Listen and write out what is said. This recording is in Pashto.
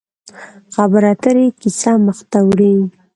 خبرې اترې کیسه مخ ته وړي.